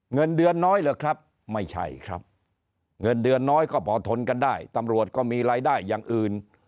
เงินเดือนน้อยเหรอครับไม่ใช่ครับเงินเดือนน้อยก็พอทนกันได้ตำรวจก็มีรายได้อย่างอื่น